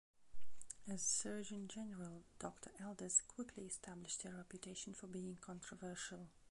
As Surgeon General, Doctor Elders quickly established a reputation for being controversial.